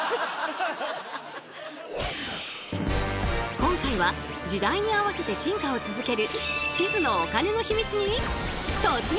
今回は時代に合わせて進化を続ける地図のお金のヒミツに突撃！